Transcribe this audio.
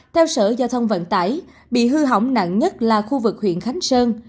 theo sở giao thông vận tải bị hư hỏng nặng nhất là khu vực huyện khánh sơn